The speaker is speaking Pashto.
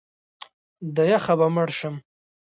د یخه به مړ شم!